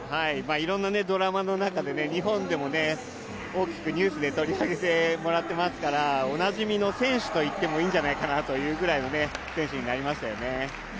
いろんなドラマの中で日本でも大きくニュースで取り上げてもらっていますからおなじみの選手と言ってもいいんじゃないかなというぐらいの選手になりましたね。